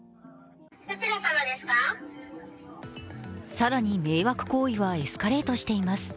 更に、迷惑行為はエスカレートしています。